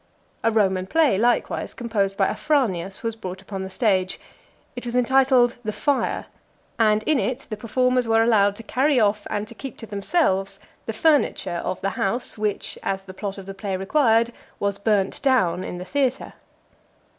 A Roman play, likewise, composed by Afranius, was brought upon the stage. It was entitled, "The Fire;" and in it the performers were allowed to carry off, and to keep to themselves, the furniture of the house, which, as the plot of the play required, was burnt down in the theatre.